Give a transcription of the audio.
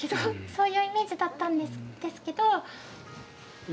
そういうイメージだったんですけど。